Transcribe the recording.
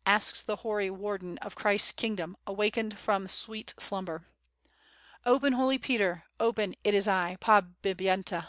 * asks the hoary warden of Christ's kingdom, awakened from sweet slumber. 'Open, Holy Peter, open, it is I, Podbip yenta.'